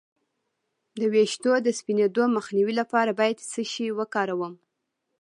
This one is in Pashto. د ویښتو د سپینیدو مخنیوي لپاره باید څه شی وکاروم؟